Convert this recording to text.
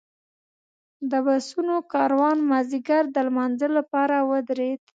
د بسونو کاروان مازیګر د لمانځه لپاره ودرېد.